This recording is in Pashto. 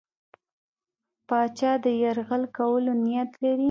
پاچا د یرغل کولو نیت لري.